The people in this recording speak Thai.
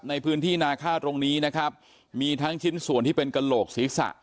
ในพื้นที่นาข้าวตรงนี้นะครับมีทั้งชิ้นส่วนที่เป็นกระโหลกศีรษะ